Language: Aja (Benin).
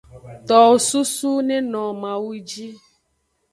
Towo susu neno mawu ji.